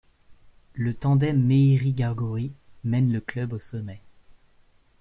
Le tandem Mehiri-Gargouri mène le club au sommet.